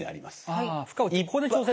はい。